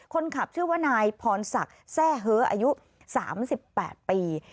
คนขับชื่อว่านายพรศักดิ์แทร่เฮ้ออายุ๓๘ปี